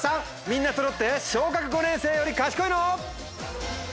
みんな揃って小学５年生より賢いの？